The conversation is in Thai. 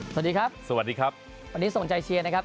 สวัสดีครับสวัสดีครับวันนี้ส่งใจเชียร์นะครับ